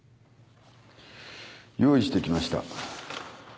用意してきました。